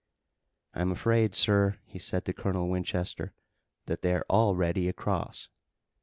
"I'm afraid, sir," he said to Colonel Winchester, "that they're already across."